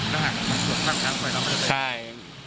แบบถูกกำลังส่งแบบทางเดินไม่ใช่